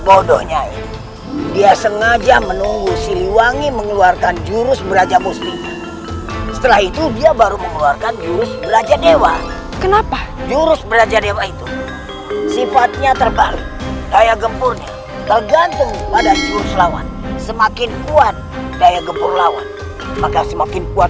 oh siliwangi mengeluarkan jurus prata sukma